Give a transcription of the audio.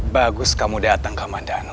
bagus kamu datang ke mandano